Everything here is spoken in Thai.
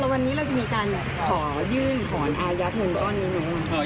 วันนี้เราจะมีการขอยื่นข่อนอาญักษ์หนึ่งหรือไม่หรือ